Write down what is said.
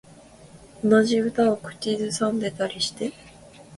同じ歌を口ずさんでたりして